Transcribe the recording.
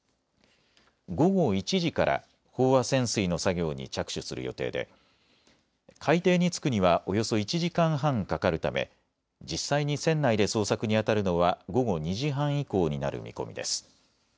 午後１時から飽和潜水の作業に着手する予定で海底に着くにはおよそ１時間半かかるため実際に船内で捜索にあたるのは午後２時半以降になる見込みです。